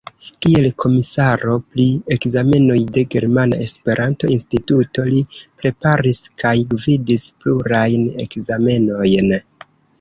Kiel komisaro pri ekzamenoj de Germana Esperanto-Instituto li preparis kaj gvidis plurajn ekzamenojn.